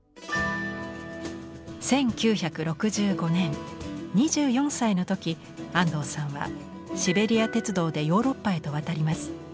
１９６５年２４歳の時安藤さんはシベリア鉄道でヨーロッパへと渡ります。